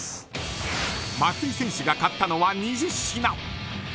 松井選手が買ったのは２０品。